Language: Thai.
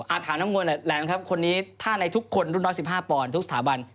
ถามน้ำมวลหน่อยแหลมครับคนนี้ถ้าในทุกคนรุ่นน้อย๑๕ปอนด์ทุกสถาบัน